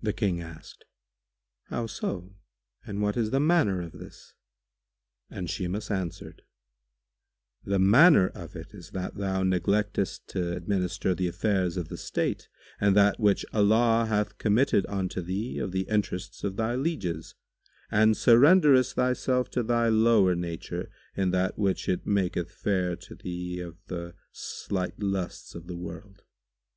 The King asked, "How so? And what is the manner of this?"; and Shimas answered, "The manner of it is that thou neglectest to administer the affairs of the state and that which Allah hath committed unto thee of the interests of thy lieges and surrenderest thyself to thy lower nature in that which it maketh fair to thee of the slight lusts of the world.